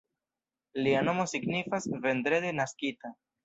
Lia nomo signifas "vendrede naskita.